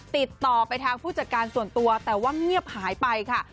ติดต่อไปทางผู้จัดการส่วนตัวแต่ว่าเงียบหายไปค่ะ